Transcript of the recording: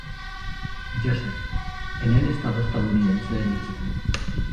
Joseph, en el estado estadounidense de Míchigan.